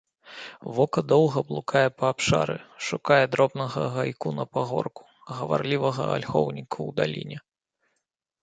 Вока доўга блукае па абшары, шукае дробнага гайку на пагорку, гаварлівага альхоўніку ў даліне.